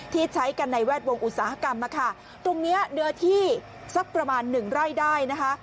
ที่ใช้กันในแวดวงอุตสาหกรรมมาค่ะตรงเนี้ยเนื้อที่สักประมาณหนึ่งไร่ได้นะคะ